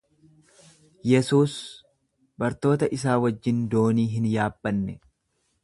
Yesuus bartoota isaa wajjin doonii hin yaabbanne.